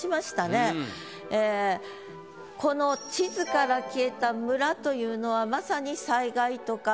この「地図から消えた村」というのはまさに。